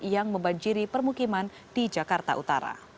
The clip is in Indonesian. yang membanjiri permukiman di jakarta utara